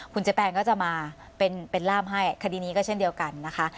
คุณเจ๊แปนก็จะมาเป็นล่ามให้คดีนี้ก็เช่นเดียวกันนะคะ